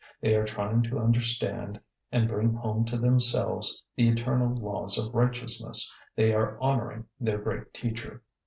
They are trying to understand and bring home to themselves the eternal laws of righteousness; they are honouring their great teacher.